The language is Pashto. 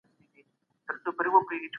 مه پرېږده چي ستا لیکل غلط وي.